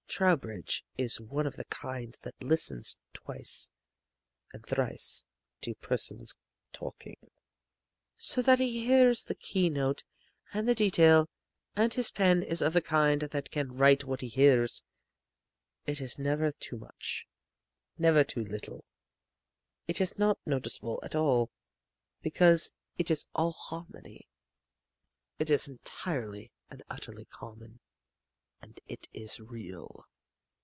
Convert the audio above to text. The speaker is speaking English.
Trowbridge is one of the kind that listens twice and thrice to persons talking, so that he hears the key note and the detail, and his pen is of the kind that can write what he hears. It is never too much, never too little; it is not noticeable at all, because it is all harmony. It is entirely and utterly common. And it is real.